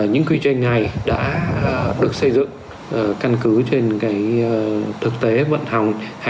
những quy trình này đã được xây dựng căn cứ trên thực tế vận hành